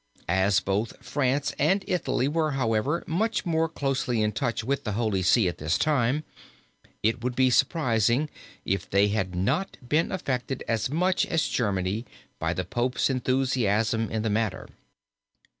As both France and Italy were, however, much more closely in touch with the Holy See at this time, it would be surprising if they had not been affected as much as Germany by the Pope's enthusiasm in the matter.